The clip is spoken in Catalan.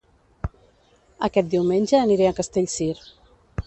Aquest diumenge aniré a Castellcir